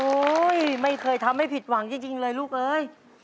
ไม่เคยทำให้ผิดหวังจริงเลยลูกเอ้ย